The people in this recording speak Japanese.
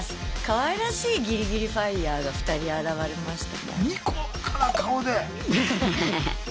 かわいらしいギリギリＦＩＲＥが２人現れましたが。